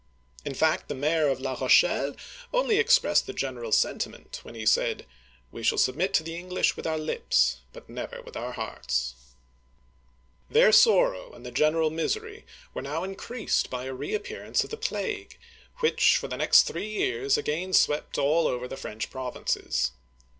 In fact, the mayor of La Rochelle (ro shgl') only expressed the general sentiment when he said, " We shall submit to the English with our lips, but never with our hearts !'* Their sorrow and the general misery were now increased by a reappearance of the plague, which for the next three years again swept all over the French provinces.